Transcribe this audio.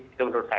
itu menurut saya